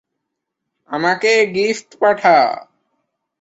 আঘাতের কারণে তার খেলোয়াড়ী জীবনে বাঁধার প্রাচীর গড়ে ওঠে।